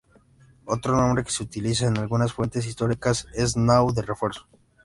Otro nombre que se utiliza en algunas fuentes históricas es "Nao de Refuerzo".